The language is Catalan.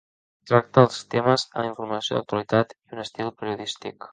Tracta els temes amb informació d'actualitat i un estil periodístic.